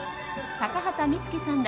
高畑充希さんら